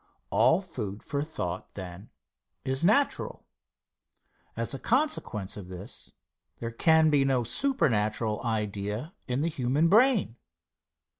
All food for thought, then, is natural. As a consequence of this, there can be no supernatural idea in the human brain.